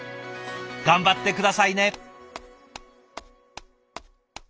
頑張って下さいね。